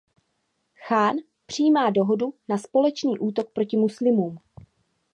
Chán přijímá dohodu na společný útok proti muslimům.